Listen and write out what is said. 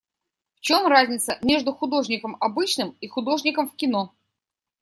В чем разница между художником обычным и художником в кино?